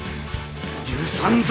許さぬぞ！